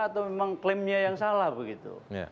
atau memang klaimnya yang salah begitu